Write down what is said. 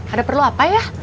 ada perlu apa ya